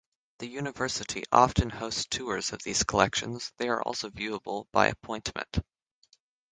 The university often hosts tours of these collections; they are also viewable by appointment.